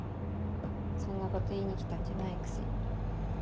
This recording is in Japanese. そんなこと言いに来たんじゃないくせに。